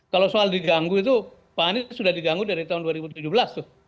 kalau soal diganggu itu pak anies sudah diganggu dari tahun dua ribu tujuh belas tuh